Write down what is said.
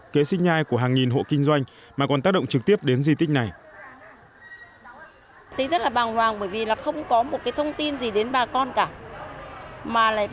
kế sinh nhai của hàng nghìn hộ kinh doanh mà còn tác động trực tiếp đến di tích này